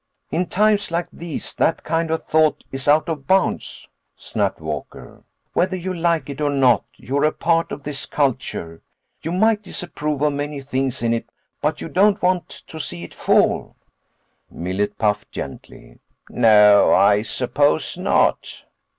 "In times like these, that kind of thought is out of bounds," snapped Walker. "Whether you like it or not, you are a part of this culture. You might disapprove of many things in it, but you don't want to see it fall." Millet puffed gently. "No, I suppose not."